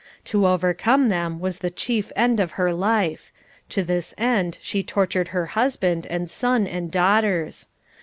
To overcome them was the chief end of her life; to this end she tortured her husband, and son, and daughters.